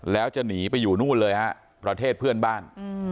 แล้วจะหนีไปอยู่นู่นเลยฮะประเทศเพื่อนบ้าน